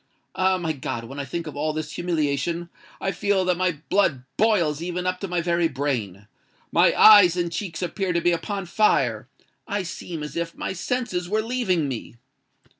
Ah! my God—when I think of all this humiliation, I feel that my blood boils even up to my very brain—my eyes and cheeks appear to be upon fire—I seem as if my senses were leaving me!"